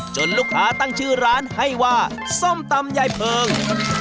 ลูกค้าตั้งชื่อร้านให้ว่าส้มตำยายเพิง